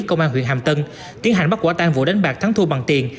công an huyện hàm tân tiến hành bắt quả tan vụ đánh bạc thắng thu bằng tiền